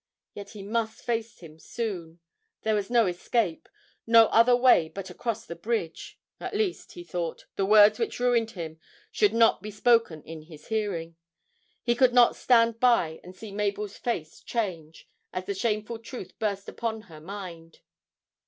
Yet he must face him soon; there was no escape, no other way but across that bridge. At least, he thought, the words which ruined him should not be spoken in his hearing; he could not stand by and see Mabel's face change as the shameful truth first burst upon her mind.